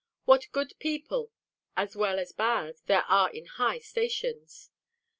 What good people, as well as bad, there are in high stations!